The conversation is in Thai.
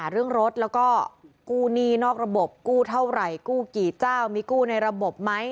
เรื่องรถแล้วก็กู้หนี้นอกระบบกู้เท่าไหร่กู้กี่เจ้ามีกู้ในระบบไหม